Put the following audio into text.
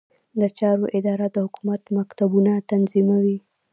د چارو اداره د حکومت مکتوبونه تنظیموي